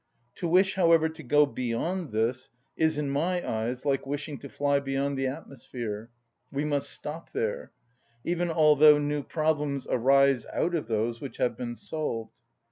To wish, however, to go beyond this is, in my eyes, like wishing to fly beyond the atmosphere. We must stop there; even although new problems arise out of those which have been solved.